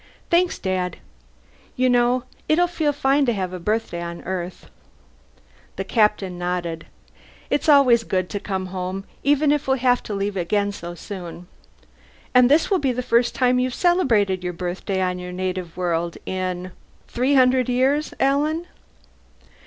"Thanks, Dad. You know, it'll feel fine to have a birthday on Earth!" The Captain nodded. "It's always good to come home, even if we'll have to leave again soon. And this will be the first time you've celebrated your birthday on your native world in three hundred years, Alan."